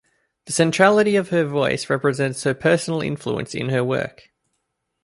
The centrality of her voice represents her personal influence in her work.